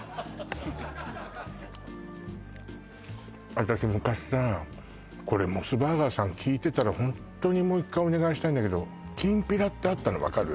私昔さこれモスバーガーさん聞いてたらホントにもう一回お願いしたいんだけどきんぴらってあったの分かる？